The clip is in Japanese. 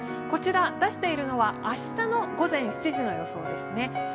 こちら、出しているのは明日の午前７時の予想ですね。